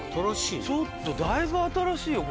ちょっとだいぶ新しいよ